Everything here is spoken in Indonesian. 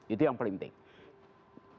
itu yang paling penting